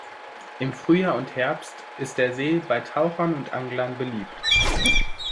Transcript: Im Frühjahr und Herbst ist der See bei Tauchern und Anglern beliebt.